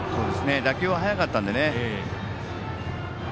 打球が速かったのでね。